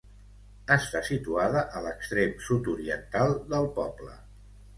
Està situada a l'extrem sud-oriental del poble.